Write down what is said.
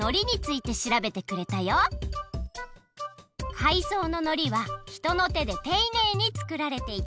かいそうののりはひとのてでていねいにつくられていた。